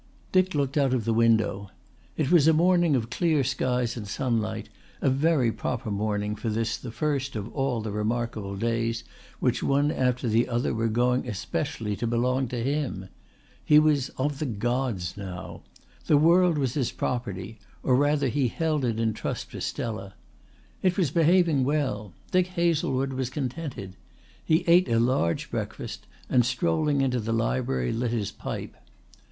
Dick looked out of the window. It was a morning of clear skies and sunlight, a very proper morning for this the first of all the remarkable days which one after the other were going especially to belong to him. He was of the gods now. The world was his property, or rather he held it in trust for Stella. It was behaving well; Dick Hazlewood was contented. He ate a large breakfast and strolling into the library lit his pipe.